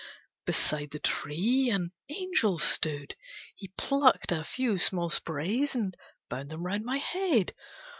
Beside the tree an Angel stood; he plucked A few small sprays, and bound them round my head.